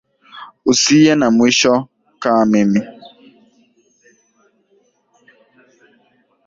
Usiye na mwisho kaa nami